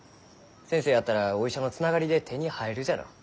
先生やったらお医者のつながりで手に入るじゃろ。